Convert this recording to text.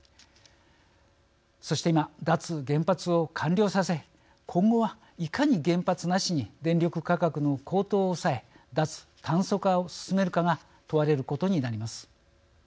そして今、脱原発を完了させ今後は、いかに原発なしに電力価格の高騰を抑え脱炭素化を進めるかが問われることになります。